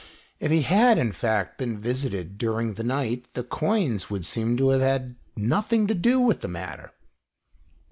If he had, in fact, been visited during the night, the coins would seem to have had . nothing to do with the matter.